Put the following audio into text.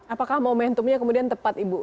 apakah momentumnya kemudian tepat ibu